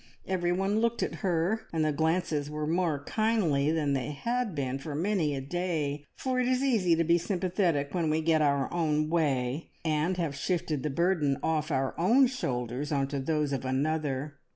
Everyone looked at her, and the glances were more kindly than they had been for many a day; for it is easy to be sympathetic when we get our own way, and have shifted the burden off our own shoulders on to those of another.